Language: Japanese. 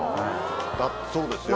だそうですよ。